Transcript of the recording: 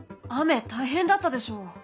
雨大変だったでしょ？